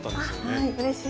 あうれしい。